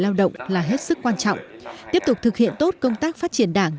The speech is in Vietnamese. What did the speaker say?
lao động là hết sức quan trọng tiếp tục thực hiện tốt công tác phát triển đảng